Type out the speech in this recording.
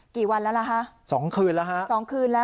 กี่วันแล้วล่ะฮะสองคืนแล้วฮะสองคืนแล้ว